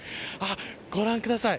ご覧ください。